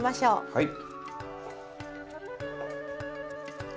はい。